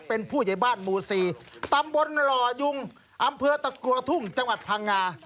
เป็นผู้ใหญ่บ้านหมู่๔ตำบลหล่อยุงอำเภอตะกัวทุ่งจังหวัดพังงา